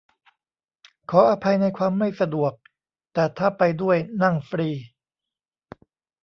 ขออภัยในความไม่สะดวก แต่ถ้าไปด้วยนั่งฟรี